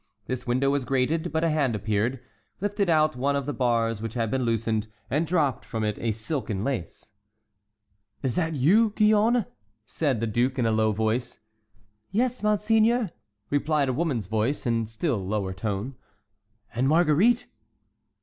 This window was grated, but a hand appeared, lifted out one of the bars which had been loosened, and dropped from it a silken lace. "Is that you, Gillonne?" said the duke, in a low voice. "Yes, monseigneur," replied a woman's voice, in a still lower tone. "And Marguerite?"